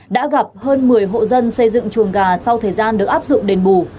đã gặp hơn một mươi hộ dân xây dựng chuồng gà sau thời gian được áp dụng đền bù